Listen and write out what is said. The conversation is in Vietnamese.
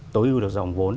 tối ưu được dòng vốn